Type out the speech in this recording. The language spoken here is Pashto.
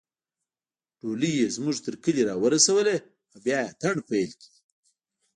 ډولۍ يې زموږ تر کلي راورسوله او بیا يې اتڼ پیل کړ